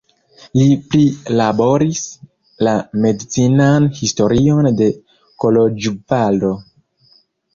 Li prilaboris la medicinan historion de Koloĵvaro.